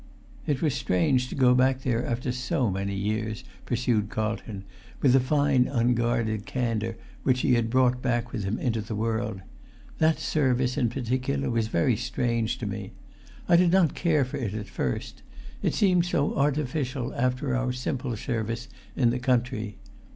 "It was strange to go back there after so many[Pg 366] years," pursued Carlton, with the fine unguarded candour which he had brought back with him into the world; "that service, in particular, was very strange to me. I did not care for it at first. It seemed so artificial after our simple service in the country.